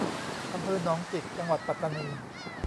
อำเภอหนองจิก จังหวัดปัตตานี